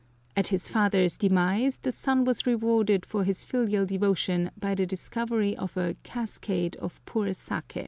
At his father's demise the son was rewarded for his filial devotion by the discovery of a "cascade of pure sake."